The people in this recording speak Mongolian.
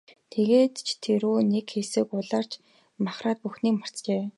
Тэгээд ч тэр үү, нэг хэсэг улайрч махраад бүхнийг мартжээ.